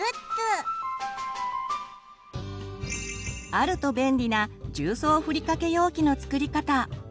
あると便利な重曹ふりかけ容器の作り方。